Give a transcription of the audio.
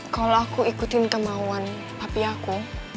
kalau aku ikutin kemohonan papi aku